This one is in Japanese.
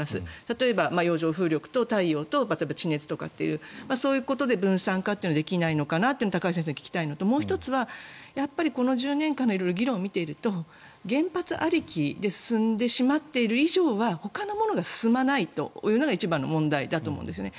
例えば洋上風力と太陽光と地熱とそういうことで分散化というのができないのかなというのを高橋先生に聞きたいのともう１つはこの１０年間の議論を見ていると原発ありきで進んでしまっている以上はほかのものが進まないというのが一番の問題だと思うんですね。